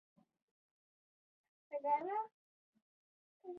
هغه څه چې د عاید په توګه ګزارش شوي بدلېږي